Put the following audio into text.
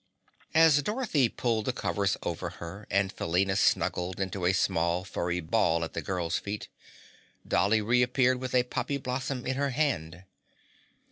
As Dorothy pulled the covers over her, and Felina snuggled into a small, furry ball at the girl's feet, Dolly reappeared with a poppy blossom in her hand.